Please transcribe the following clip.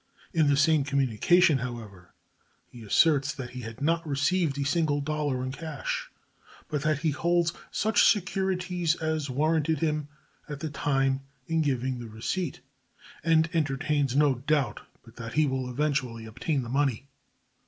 In the same communication, however, he asserts that he had not received a single dollar in cash, but that he holds such securities as warranted him at the time in giving the receipt, and entertains no doubt but that he will eventually obtain the money.